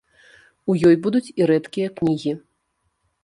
У ёй будуць і рэдкія кнігі.